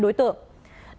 đối tượng nông tân